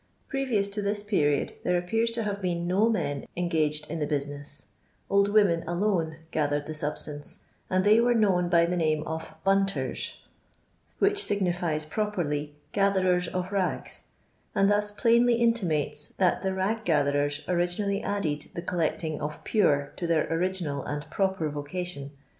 Previons to this period there ap pears to have been no men engaged in the busi ness, old women alone gathered the substance, and they were known by the name of " hunters," which signifies properly gatherers of rags; nnd thus plainly intimates that the rag gatherera originally added the collecting of " Pure " to their original and proper vocation.